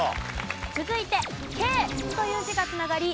続いて「計」という字が繋がり昴